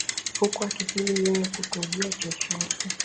huku akikiri yeye kutojua chochote